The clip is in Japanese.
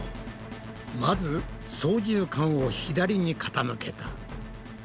まず操縦かんを左に傾けた。